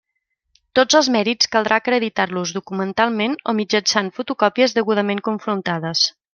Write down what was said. Tots els mèrits caldrà acreditar-los documentalment o mitjançant fotocòpies degudament confrontades.